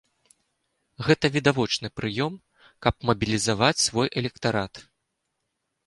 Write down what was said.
Гэта відавочны прыём, каб мабілізаваць свой электарат.